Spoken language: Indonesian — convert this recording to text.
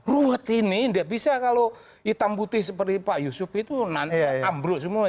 ruwet ini tidak bisa kalau hitam putih seperti pak yusuf itu ambruk semua